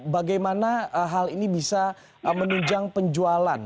bagaimana hal ini bisa menunjang penjualan